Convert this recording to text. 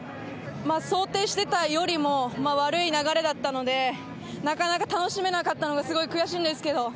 想定してたよりも悪い流れだったのでなかなか楽しめなかったのがすごい悔しいんですけど。